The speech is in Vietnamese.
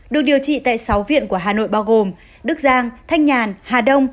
được điều trị tại sáu viện của hà nội bao gồm đức giang thanh nhàn hà đông